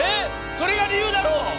それが理由だろう！？